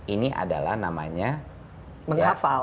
ini adalah namanya menghafal